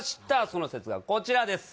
その説がこちらです